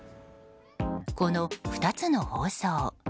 この２つの放送。